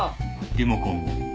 リモコンを。